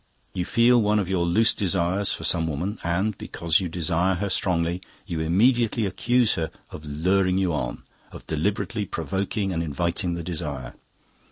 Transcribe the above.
You feel one of your loose desires for some woman, and because you desire her strongly you immediately accuse her of luring you on, of deliberately provoking and inviting the desire.